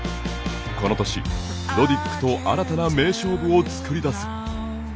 この年、ロディックと新たな名勝負を作り出す。